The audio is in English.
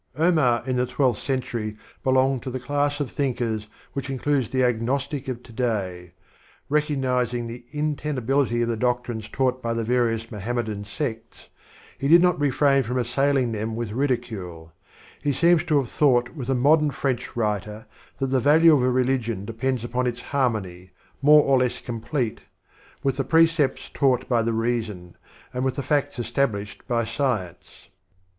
Omar in the Twelfth Century belonged to the class of thinkers which includes the Agnostic of to day. Eecognizing the inten ability of the doc trines taught by the various Mohammedan sects, he did not refrain from assailing them with ridicule; he seems to have thought with a modern French writer, that the value of a religion depends upon Introduction. its harmony, more or less complete, with the pre cepts taught by the reason and with the facts estab lished by science.